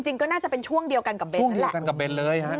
จริงก็น่าจะเป็นช่วงเดียวกันกับเบ้น